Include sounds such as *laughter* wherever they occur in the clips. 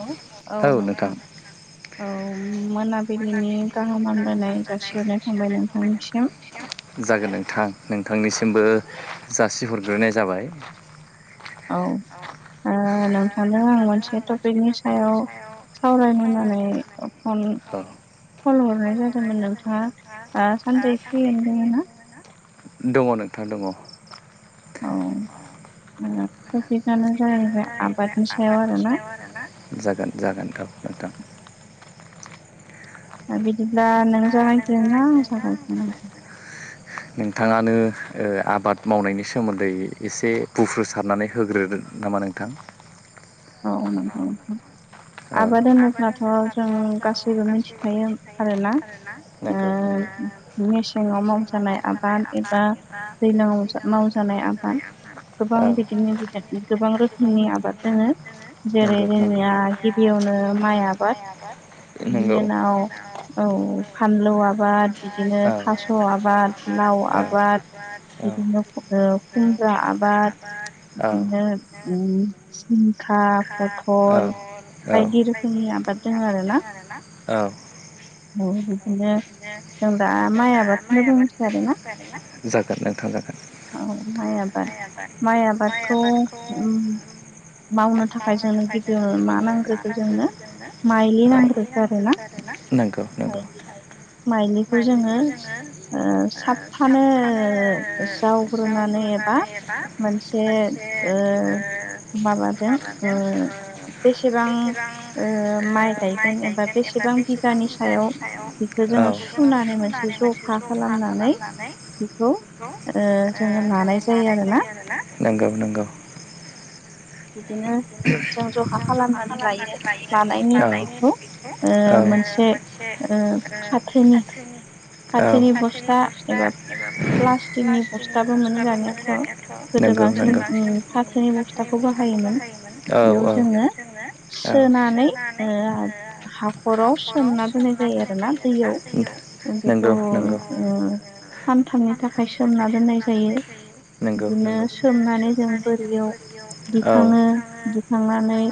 औ औ नोंथां औ मोना जागोन नोंथां। नोंथांनिसिमबो जासिहरग्रोनाय जाबाय। औ ओ नोंथांनो आं मोनसे टपिकनि सायाव सावरायनो होननानै फन फन हरनाय जादोंमोन नोंथाङा आ सानसे फ्रियनो दङ ना? दङ नोंथाङा दङ। औ टपिकआनो जाहैबाय आबाद आबादनि सायाव आरोना जागोन जागोन गाबोन नोंथां। आ बिदि नोंथाङानो ओ आबाद मावनायनि सोमोन्दै एसे बुफ्रुसारनानै होग्रो नामा नोंथां औ नोंथां औ आबाद होनोफ्राथ' जों गासैबो मिथिखायो आरोना नंगौ। मेसेङाव मावजानाय आबाद एबा दैज्लांङाव मावजानाय आबाद गोबां बिदिनो बिजनि गोबां रोखोमनि आबाद दङो जेरै जोंनिया गिबियावनो माइ आबाद बिनि उनाव औ फानलौ आबाद बिदिनो थास' आबाद लाव आबाद बिदिनो ओ खुमब्रा आबाद बिदिनो आ फथल बायदि रोखोमनि आबाद दों आरोना औ बिदिनो। दा माइ आबा जागोन नोंथां जागोन। औ माइ आबाद माइ आबादखौ उम मावनो थाखाय जोंनो गिबियावनो मा नांग्रोखो जोंनो माइलि नांग्रोखो आरोना। नंगौ नंगौ। माइलिखौ जोङो ओ साबफानो जावग्रोनानै रुनानै एबा मोनसे ओ माबाजों ओ बेसेबां ओ माइ गायगोन एबा बेसेबां बिगानि सायाव औ जोङो सुनानै मोनसे जखा खालामनानै खौ ओ जोङो लानाय जायो आरो ना नंगौ नंगौ। बिदिनो जों जखा खालामनानै लायो लानायनि उनाव बेखौ मोनसे आ फाथोनि फाथोनि बस्था एबा प्लास्टिकनि बस्थाबो मोनो दानियाथ' गोदो बांसिन फाथोनि बस्था बाहायोमोन औ औ औ हाखराव सोमना दोनाय जायो आरोना जोङो बेखौ ओ सानथामनि थाखाय सोमना दोननाय जायो बिदिनो सोमनानै जों बोरियाव दिखाङो दिखांनानै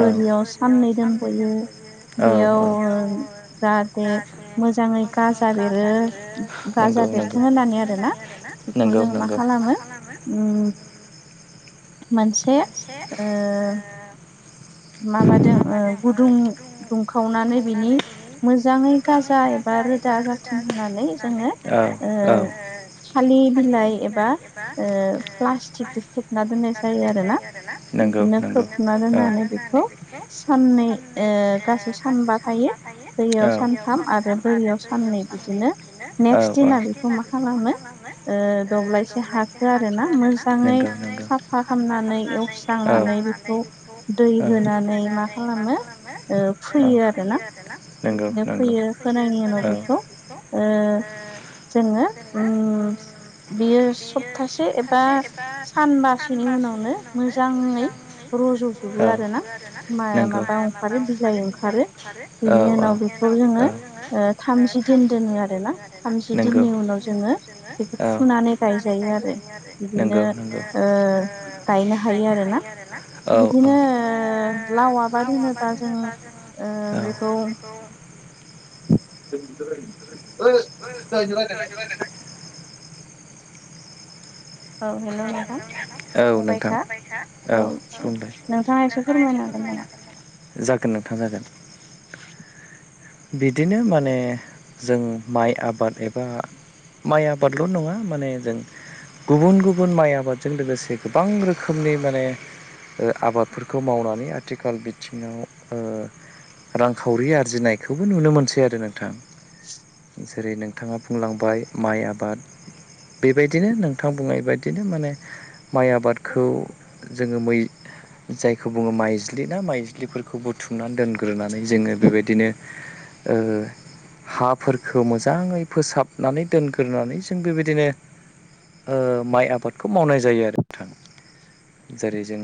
बोरियाव साननै दोनबोयो बेयाव औ जाहाथे मोजाङै गाजा बेरो गाजा बेरथों होनना होननानै आरो ना बेखौ जों मा खालामो मोनसे ओ *inaudible* माबादों गुदुं दुंखावनानै बिनि मोजाङै गाजा एबा रोदा जाथों होननानै जोङो थालिर बिलाइ एबा प्लास्टिकजों खोबना दोननाय जायो आरो बिदिनो खोबना दोननानै साननै गासै सानबा थायो दैयाव सानथाम आरो बोरियाव साननै बिदिनो नेक्स दिना बेखौ मा खालामो दब्लायसे हा आरोना मोजाङै साफा खालामनानै एवस्रांनानै बेखौ दै होनानै मा खालामो फोयो आरोना बिदिनो फोयो फैनायनि उनाव बेखौ ओ जोङो उम बेयो सप्तासे एबा सानबासोनि उनाव उनावनो मोजाङै रज'जोबो आरो माबा ओंखारो बिलाइ ओंखारो बिनि उनाव बेखौ जोङो ओ थामजि दिन दोनो आरो ना थामजि दिननि उनाव जोङो बेखौ फुनानै गायजायो आरो बिदिनो ओ गायनो हायो आरोना बिदिनो लाव आबाद होनोबा जों बेखौ *unintelligible* औ हेलौ मेदाम फंबायसा औ नोंथाङा एसे फोरमायनो हांगोन नामा जागोन नोंथां जागोन बिदिनो माने जों माइ आबाद एबा माइ आबादल' नङा माने जों गुबुन गुबुन माइ आबादजों लोगोसे गोबां रोखोमनि माने आबादफोरखौ मावनानै आथिखाल बिथिङाव रांखावरि आरजिनायखौबो नुनो मोनसै आरो नोंथां *inaudible* जेरै नोंथाङा बुंलांबाय माइ आबाद बेबायदिनो नोंथां बुंनाय बायदिनो माने माइ आबादखौ जोङो मै जायखौ बुङो माइज्लि ना माइज्लिफोरखौ बुथुमनानै दोनग्रोनानै जोङो बेबायदिनो हाफोरखौ मोजाङै फोसाबनानै दोनग्रोनानै जों बेबायदिनो माइ आबादखौ मावनाय जायो आरो नोंथां जेरै जों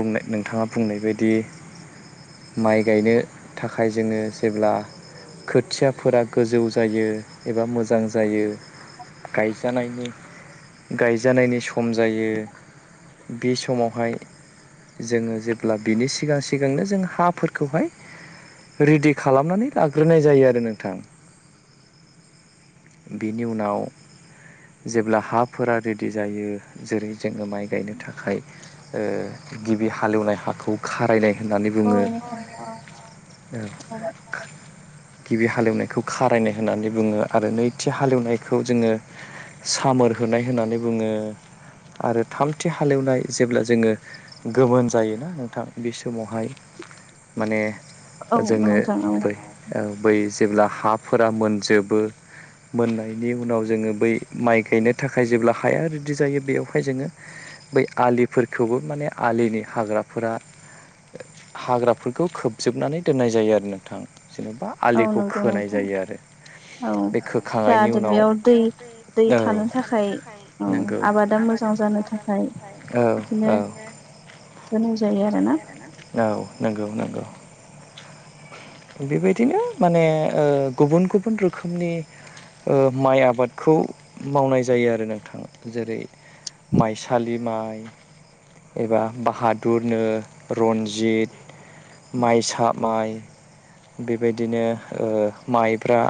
बुंनाय नोंथाङा बुंनाय बायदि माइ गायनो थाखाय जोङो जेब्ला खोथियाफोरा गोजौ जायो एबा मोजां जायो गायजानायनि गायजानायनि सम जायो बे समावहाय जोङो जेब्ला बिनि सिगां सिगांनो जों हाफोरखौहाय रेडि खालामनानै लाग्रोनाय जायो आरो नोंथां । बेनि उनाव जेब्ला हाफोरा रे बिदि जायो जेरै जोङो माइ गायनो थाखाय ओ गिबि हालेवनाय हाखौ खारायनाय होननानै बुङो गिबि हालेवनायखौ खारायनाय होननानै बुङो आरो नैथि हालेवनायखौ जोङो सामोर होनाय होननानै बुङो आरो थामथि हालेवनाय जेब्ला जोङो गोमोन जायोना नोंथां बे समावहाय माने जोङोै बै जेब्ला हाफोरा मोनजोबो मोननायनि उनाव जोङो बै माइ गायनो थाखाय जेब्ला हाया रेदि जायो बेयावहाय जोङो बै आलिफोरखौबो माने आलिनि हाग्राफोरा हाग्राफोरखौ खोबजोबनानै दोननाय जायो आरो नोंथां । जेन'बा आलिखौ खोनाय जायो आरो बे खोखांनायनि उनाव औ नंगौ औ औ । औ नोंगौ नोंगौ । बेबायदिनो माने ओ गुबुन गुबुन रोखोमनि ओ माइ आबादखौ मावनाय जायो आरो नोंथां जेरै माइसालि माइ एबा बाहादुरनो रन्जित माइसा माइ बेबायदिनो ओ माइब्रा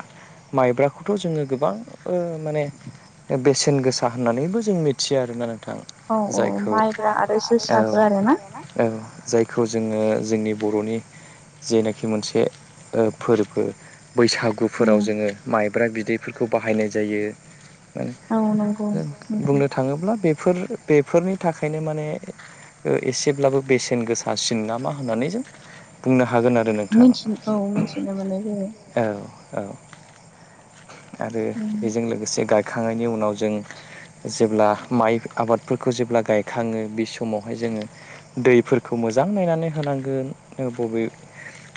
माइब्राखौथ' जोङो गोबां माने बेसेन गोसा गोसा होननानैबो जों मिथियो आरोना नों थां जायखौ औ औ जाय खौ जोङो जोंनि बर'नि जेनाखि मोनसे ओ फोरबो बैसागुफोराव जोङो माइब्रा बिदैफोरखौ बाहायनाय जायो । औ नंगौ। बुंनो थाङोब्ला बेफोर बेफोरनि थाखायनो माने एसेब्लाबो बेसेन गोसासिन नामा होननानै जों बुंनो हा हागोन आरो नोंथां औ औ । आरो बेजों लोगोसे गायखांनायनि उनाव जों जेब्ला माइ आबादफोरखौ जेब्ला गायखाङो बे समावहाय जोङो दैफोरखौ मोजां नायनानै होनांगोन बबे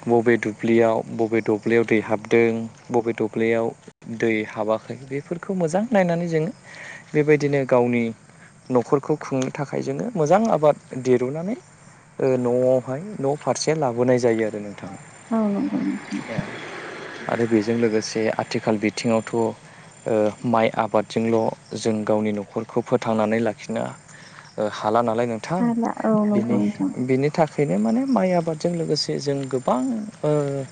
बबे दुब्लियाव बबे दुब्लियाव दै हाबदों बबे दुब्लियाव दै हाबा खै बेफोरखौ मोजां नायनानै जों बेबायदिनो गावनि न'खरखौ खुंनो थाखाय जोङो मोजां आबाद दिरुननानै न'आवहाय न' फारसे लाबोनाय जायो आरो नों थां आरो बेजों लोगोसे जे आथिखाल बिथिङावथ' माइ आबादजोंल' जों गावनि न'खरखौ फोथांनानै लाखिनो हाला नालाय नोंथां बिनि बिनि थाखायनो माने माइआ आबादजों लोगोसे जों गोबां ओ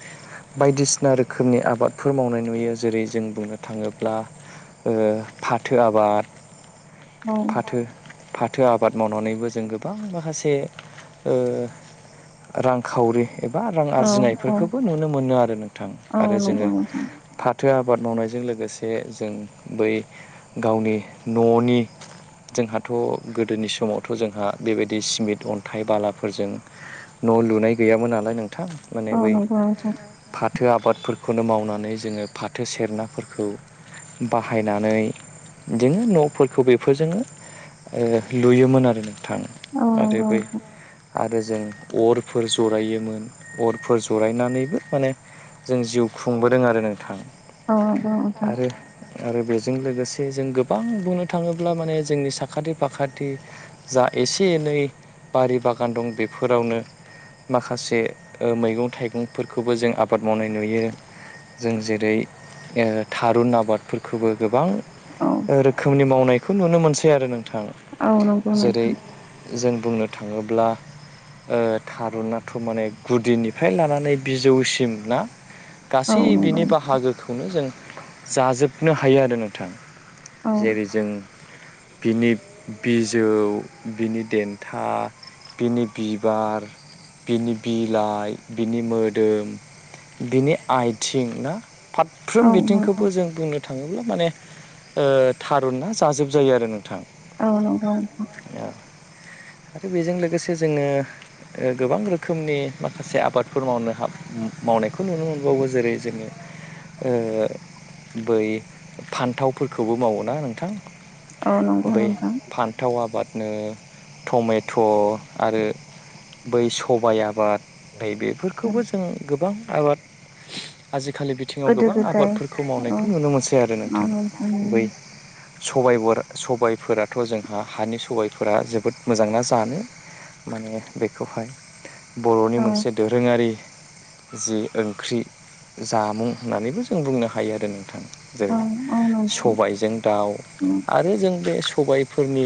बायदिसिना रोखोमनि आबादफोर मावनाय नुयो जेरै जों बुंनो थाङोब्ला ओ फाथो आबाद फाथो फाथो आबाद मावनानैबो जों गोबां माखासे ओ रांखावरि एबा रां आरजिनायफोरखौबो नुनो मोनो आरो नोंथां आरो जोङो फाथो आबाद मावनायजों लोगोसे जों बै गावनि न'नि जोंहाथ' गोदोनि समावथ' जोंहा बेबायदि सिमेन्ट अन्थाइ बालाफोरजों न' लुनाय गैयामोन नालाय नोंथां माने बै फाथो आबादफोर खौनो मावनानै जोङो फाथो सेरनाफोरखौ बाहायनानै बिदिङो न'फोरखौ बेफोरजोंनो ओ लुयोमोन आरो थां आरो बै आरो जों अरफोर जरायोमोन अरफोर जरायनानैबो माने जों जिउ खुंबोदों आरो नोंथां आरो आरो बेजों लोगोसे जों गोबां बुंनो थाङोब्ला माने जोंनि साखाथि फाखाथि जा एसे एनै बारि बागान दं बेफोरावनो माखासे ओ मैगं थाइगंफोरखौबो जों आबाद मावनाय नुयो। जों जेरै ओ थारुन आबादफोरखौबो गोबां रोखोमनि मावनायखौ नुनो मोनसै आरो नों थां जेरै जों बुंनो थाङोब्ला ओ थारुनाथ' माने गुदिनिफ्राय लानानै बिजौसिम ना गासै बिनि बाहागोखौनो जों जाजोबनो हायो आरो नोंथां। जेरै जों बिनि बिजौ बिनि देन्था बिनि बिबार बिनि बिलाइ बिनि मोदोम बिनि आयथिं ना फारफ्रोम बिथिंखौबो जों बुंनो थाङोब्ला माने ओ थारुना जाजोबजायो आरो नोंथां। औ नंगौ। आरो बेजों लोगोसे जोङो ओ गोबां रोखोमनि माखासे आबादफोर मावनो हाब मावनायखौ नुनो मोनबावो जेरै जोङो ओ बै फान्थावफोरखौबो मावोना नोंथां। बै फान्थाव आबाद नो टमेट' आरो बै सबाइ आबाद नैबेफोरखौबो जों गोबां आबाद आजि खालि बिथिङाव गोबां आबादफोरखौ मावनायखौ नुनो मोनसै आरो नोंथां बै सबायबोर सबायफोराथ' जोंहा हानि सबायफोरा जोबोद मोजांना जानो। माने बेखौहाय बर'नि मोनसे दोरोङारि जि ओंख्रि जामुं होननानैबो जों बुंनो हायो आरो नोंथां‌। जेरै सबायजों दाउ आरो जों बे सबायाइफोरनि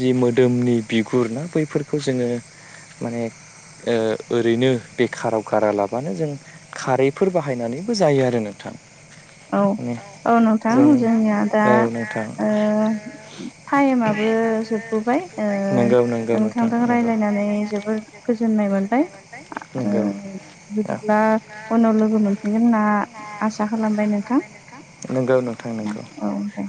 जि मोदोमनि बिगुर ना बैफोरखौ जोङो माने ओ ओरैनो बेखाराव गारा लाबानो जों खारैफोर बाहायनानैबो जायो आरो नोंथां। औ औ नोंथां जोंनिया दा ओ टाइमाबो जोबबोबाय ओ नोंथांजों रायलाय नानै जोबोद गोजोननाय मोनबाय ओ बिदिब्ला उनाव लोगो मोनफिनगोन होनना आसा खालाम बाय नोंथां औ दे।